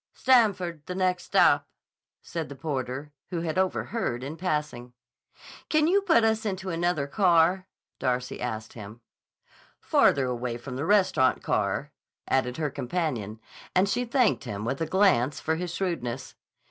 "Stamford the next stop," said the porter, who had overheard in passing. "Can you put us into another car?" Darcy asked him. "Farther away from the restaurant car," added her companion, and she thanked him with a glance for his shrewdness.